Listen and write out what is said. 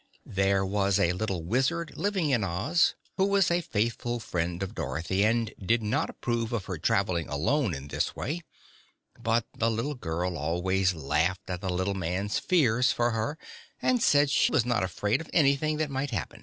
There was a little Wizard living in Oz who was a faithful friend of Dorothy and did not approve of her traveling alone in this way, but the girl always laughed at the little man's fears for her and said she was not afraid of anything that might happen.